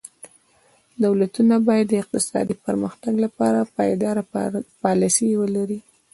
دولتونه باید د اقتصادي پرمختګ لپاره پایداره پالیسي ولري.